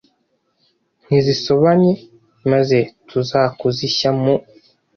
ntizisobanye, maze tuzakuze ishya mu